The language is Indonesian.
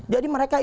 jadi mereka itu